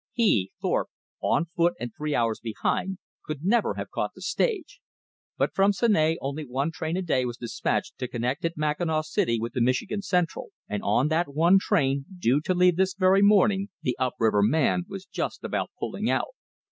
He, Thorpe, on foot and three hours behind, could never have caught the stage. But from Seney only one train a day was despatched to connect at Mackinaw City with the Michigan Central, and on that one train, due to leave this very morning, the up river man was just about pulling out.